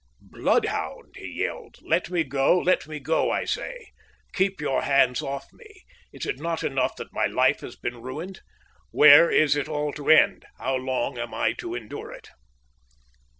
"Bloodhound!" he yelled; "let me go let me go, I say! Keep your hands off me! Is it not enough that my life has been ruined? When is it all to end? How long am I to endure it?"